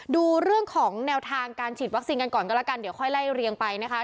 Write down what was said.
ดูเรื่องของแนวทางการฉีดวัคซีนกันก่อนก็แล้วกันเดี๋ยวค่อยไล่เรียงไปนะคะ